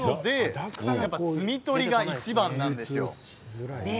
摘み取りがいちばんなんですよ。